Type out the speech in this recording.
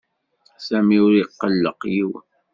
Sami ur iqelleq yiwen.